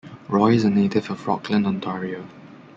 Roy is a native of Rockland, Ontario.